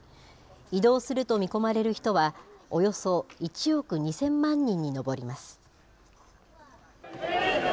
移動すると見込まれる人は、およそ１億２０００万人に上ります。